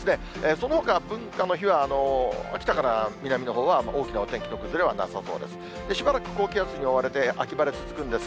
そのほか、文化の日は秋田から南のほうは、大きなお天気の崩れはなさそうです。